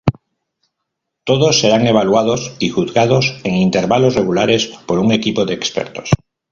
Todos serán evaluados y juzgados en intervalos regulares por un equipo de expertos.